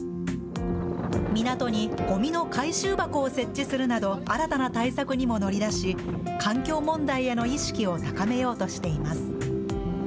港にごみの回収箱を設置するなど、新たな対策にも乗り出し、環境問題への意識を高めようとしています。